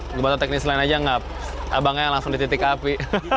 ngebantu teknis lain aja abangnya yang langsung dititik api